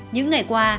những ngày qua